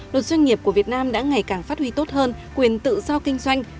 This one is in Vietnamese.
luật doanh nghiệp của việt nam đã ngày càng phát huy tốt hơn quyền tự do kinh doanh